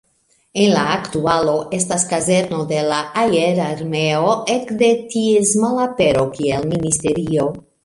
En la aktualo estas kazerno de la Aer-Armeo, ekde ties malapero kiel ministerio.